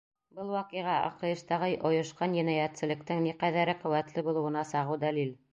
Был ваҡиға — АҠШ-тағы ойошҡан енәйәтселектең ни ҡәҙәре ҡеүәтле булыуына сағыу дәлил.